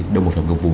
đồng hợp phẩm cơ vụ